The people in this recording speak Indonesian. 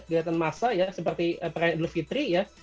kegiatan massa ya seperti peran yang dilupi tiga ya